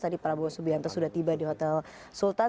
tadi prabowo subianto sudah tiba di hotel sultan